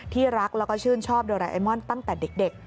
รักแล้วก็ชื่นชอบโดราเอมอนตั้งแต่เด็ก